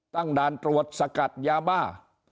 ด่านตรวจสกัดยาบ้า